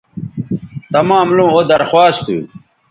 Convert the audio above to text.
تمام لوں او درخواست تھو